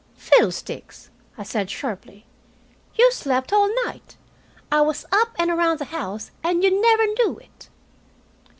"Fiddlesticks!" I said sharply. "You slept all night. I was up and around the house, and you never knew it."